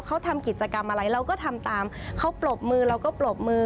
เขาทำกิจกรรมอะไรเราก็ทำตามเขาปรบมือเราก็ปรบมือ